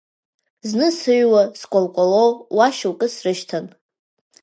Зны, сыҩуа, скәал-кәало уа шьоукы срышьҭан…